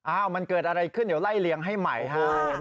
มันเกิดอะไรขึ้นเดี๋ยวไล่เลี้ยงให้ใหม่ฮะ